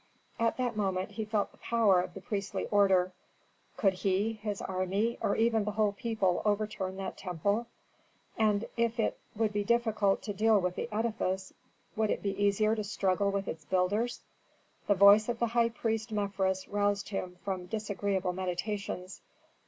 At that moment he felt the power of the priestly order. Could he, his army, or even the whole people overturn that temple? And if it would be difficult to deal with the edifice would it be easier to struggle with its builders? The voice of the high priest Mefres roused him from disagreeable meditations.